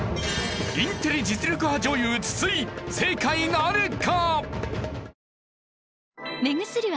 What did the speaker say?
インテリ実力派女優筒井正解なるか！？